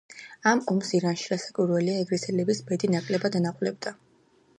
ამ ომში ირანს, რასაკვირველია, ეგრისელების ბედი ნაკლებად ანაღვლებდა.